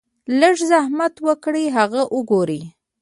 لږ زحمت اوکړئ هغه اوګورئ -